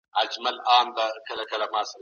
سعدي شیرازي، خواجه حافظ شیرازي، ابوالمجد